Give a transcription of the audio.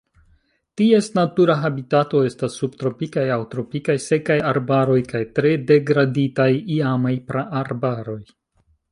Ties natura habitato estas subtropikaj aŭ tropikaj sekaj arbaroj kaj tre degraditaj iamaj praarbaroj.